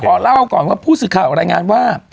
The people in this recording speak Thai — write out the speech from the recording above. ขอเล่าก่อนว่าผู้สื่อข่าวรายงานว่า